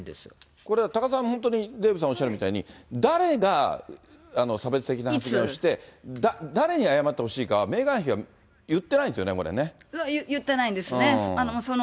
これ、多賀さん、本当にデーブさんおっしゃるみたいに、誰が差別的な発言をして、誰に謝ってほしいかメーガン妃は言ってないんですよね、これね。